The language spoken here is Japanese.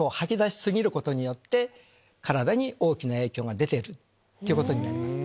体に大きな影響が出てることになります。